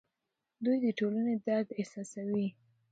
دی د ټولنې درد احساسوي.